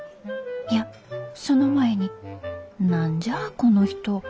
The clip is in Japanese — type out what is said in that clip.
いやその前に何じゃあこの人。